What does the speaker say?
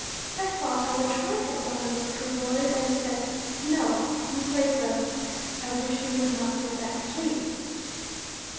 I thought I would try this on those Kruboys and said "NO" in place of "I wish you would not do that, please."